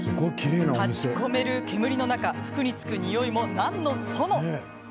立ち込める煙の中服につくにおいも、なんのその。